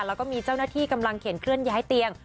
แล้วก็มีเจ้าหน้าที่กำลังเขียนเคลื่อนย้ายเตียง